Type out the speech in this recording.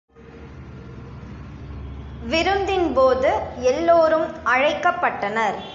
விருந்தின் போது எல்லோரும் அழைக்கப் பட்டனர்.